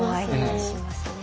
しますね。